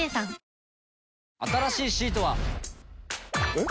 えっ？